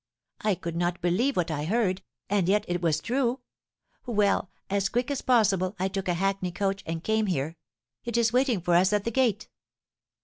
I could not believe what I heard, and yet it was true. Well, as quick as possible, I took a hackney coach, and came here; it is waiting for us at the gate."